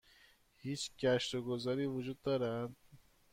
هیچ گشت و گذاری وجود دارد؟